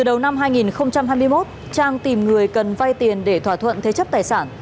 đầu năm hai nghìn hai mươi một trang tìm người cần vay tiền để thỏa thuận thế chấp tài sản